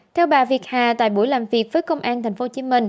theo bà việt hà tại buổi làm việc với công an tp hcm